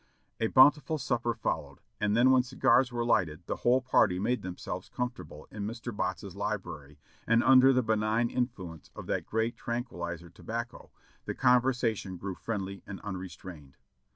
A bountiful supper followed, and then when cigars were lighted the whole party made themselves comfortable in Mr. Botts's li brary, and under the benign influence of that "great tranquilizer" tobacco, the conversation grew friendly and unrestrained.